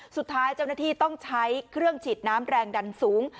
สุดท้ายเจ้าหน้าที่ต้องใช้เครื่องฉีดน้ำแรงดันสูง